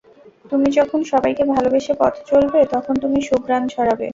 তুমি যখন সবাইকে ভালোবেসে পথ চলবে, তখন তুমি সুঘ্রাণ ছড়াবে।